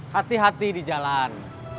hati hati di jalan